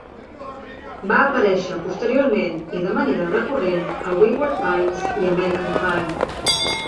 Va aparèixer posteriorment i de manera recurrent a "Wayward Pines" i "American Crime".